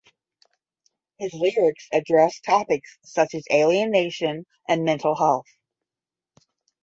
His lyrics address topics such as alienation and mental health.